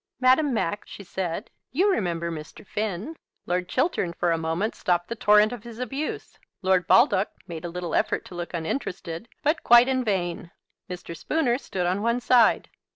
"Madame Max," she said, "you remember Mr. Finn." Lord Chiltern for a moment stopped the torrent of his abuse. Lord Baldock made a little effort to look uninterested, but quite in vain. Mr. Spooner stood on one side.